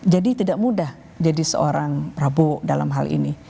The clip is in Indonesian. jadi tidak mudah jadi seorang prabu dalam hal ini